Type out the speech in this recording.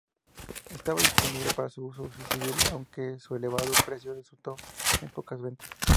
Estaba disponible para uso civil, aunque su elevado precio resultó en pocas ventas.